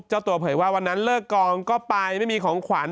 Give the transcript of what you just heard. เจ้าตัวเผยว่าวันนั้นเลิกกองก็ไปไม่มีของขวัญ